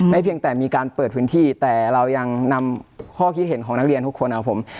เพียงแต่มีการเปิดพื้นที่แต่เรายังนำข้อคิดเห็นของนักเรียนทุกคนนะครับผม